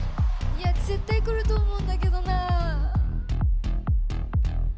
いや絶対来ると思うんだけどなあ。